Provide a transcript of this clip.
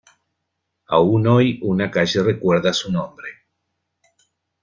Aún hoy una calle recuerda su nombre.